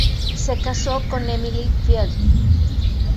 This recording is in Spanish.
Se casó con Emily Field.